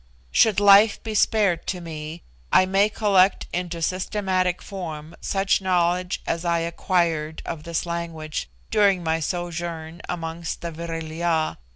Should life be spared to me, I may collect into systematic form such knowledge as I acquired of this language during my sojourn amongst the Vril ya.